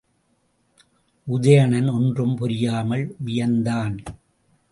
உதயணன் ஒன்றும் புரியாமல் வியந்தான்.